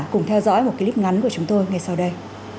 cùng theo dõi một clip ngắn của chúng tôi ngay sau đây